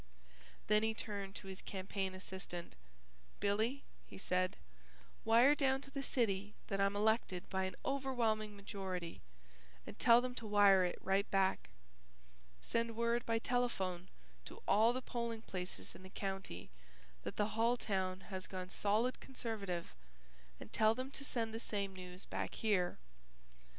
Then he turned to his campaign assistant. "Billy," he said, "wire down to the city that I'm elected by an overwhelming majority and tell them to wire it right back. Send word by telephone to all the polling places in the county that the hull town has gone solid Conservative and tell them to send the same news back here.